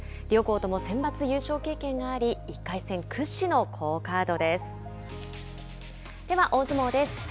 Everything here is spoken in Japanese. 両校ともセンバツ優勝経験があり１回戦屈指の好カードです。